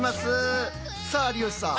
さあ有吉さん